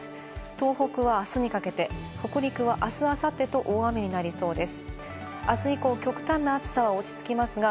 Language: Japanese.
東北はあすにかけて、北陸はあす・あさってと大雨になりそうです。